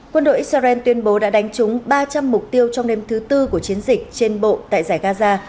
quân đội israel tuyên bố đã đánh trúng ba trăm linh mục tiêu trong đêm thứ tư của chiến dịch trên bộ tại giải gaza